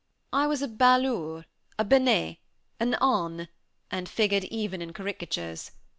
I was a balourd, a benêt, un âne, and figured even in caricatures.